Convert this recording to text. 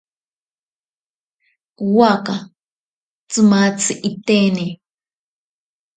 Waaka tsimatzi itene.